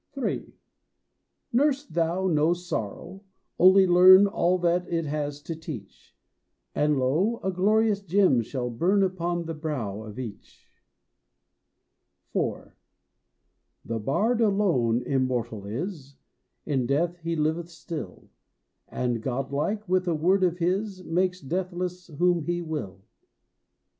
III. Nurse thou no sorrow, only learn All that it has to teach, And lo, a glorious gem shall burn Upon the brow of each. IV. The bard alone immortal is; In death he liveth still, And, godlike, with a word of his Makes deathless whom he will.